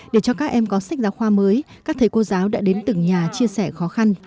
để cho các em có sách giáo khoa mới các thầy cô giáo đã đến từng nhà chia sẻ khó khăn